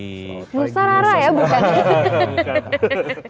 nusa rara ya bukan